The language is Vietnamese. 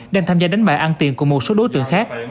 đang tham gia đánh bạc ăn tiền của một số đối tượng